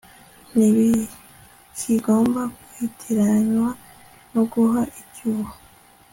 ntibikigomba kwitiraranywa no guha icyuho